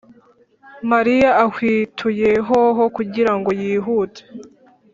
mariya ahwituye hoho kugira ngo yihute